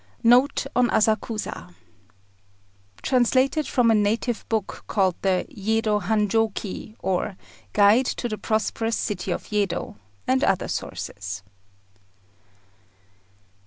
NOTE ON ASAKUSA _Translated from a native book called the "Yedo Hanjôki," or Guide to the prosperous City of Yedo, and other sources.